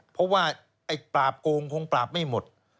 เพราะว่าไอ้ปราบโกงคงปราบไม่หมด